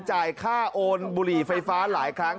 จ่ายค่าโอนบุหรี่ไฟฟ้าหลายครั้ง